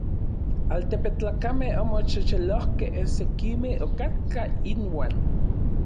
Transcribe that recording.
Altepetlakamej omoxexelojkej: sekimej okatkaj inuan.